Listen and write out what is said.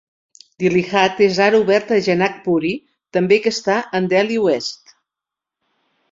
Dilli Haat és ara obert a Janak Puri també que està en Delhi oest.